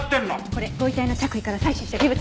これご遺体の着衣から採取した微物。